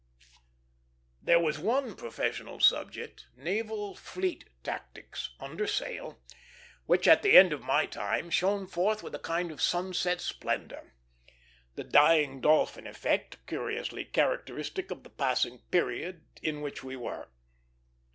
There was one professional subject, "Naval Fleet Tactics" under sail, which at the end of my time shone forth with a kind of sunset splendor, the dying dolphin effect curiously characteristic of the passing period in which we were.